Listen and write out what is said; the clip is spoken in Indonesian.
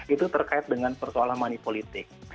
itu terkait dengan persoalan manipolitik